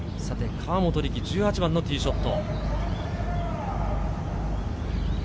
河本力、１８番のティーショット。